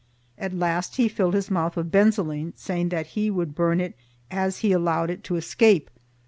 At last he filled his mouth with benzolene, saying that he would burn it as he allowed it to escape.